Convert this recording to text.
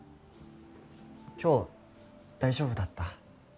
今日大丈夫だった？